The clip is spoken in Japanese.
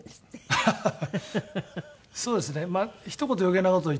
ハハハハ！